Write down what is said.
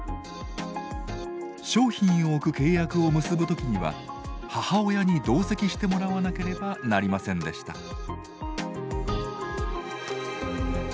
商品を置く契約を結ぶ時には母親に同席してもらわなければなりませんでした。